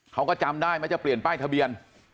จำได้ไหมจะเปลี่ยนป้ายทะเบียน